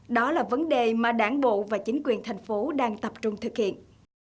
đó là vấn đề mà đảng bộ và chính quyền thành phố đang tập trung thực hiện